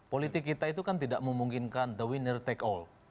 politik kita itu kan tidak memungkinkan the winner take all